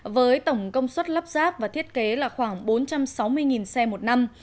với tổng công suất lắp ráp và thiết kế là khoảng bốn trăm sáu mươi xe một năm